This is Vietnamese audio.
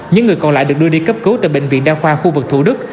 những người còn lại được đưa đi cấp cứu tại bệnh viện đa khoa khu vực thủ đức